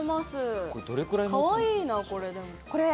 かわいいな、これ。